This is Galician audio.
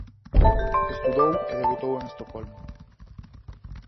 Estudou e debutou en Estocolmo.